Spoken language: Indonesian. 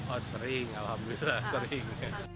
oh sering alhamdulillah sering